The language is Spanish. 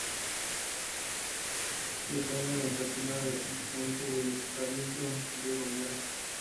Depende administrativamente del Cabildo de La Gomera.